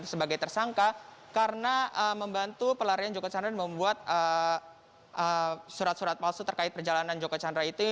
sebagai tersangka karena membantu pelarian joko chandra membuat surat surat palsu terkait perjalanan joko chandra itu